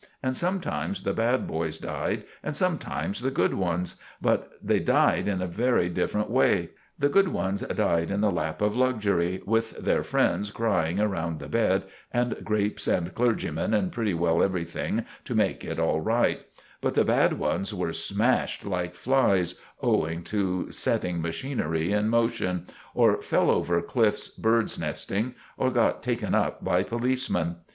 And sometimes the bad boys died and sometimes the good ones; but they died in a very different way. The good ones died in the lap of luxury, with their friends crying round the bed, and grapes and clergymen, and pretty well everything to make it all right; but the bad ones were smashed like flies, owing to setting machinery in motion; or fell over cliffs birds' nesting; or got taken up by policemen.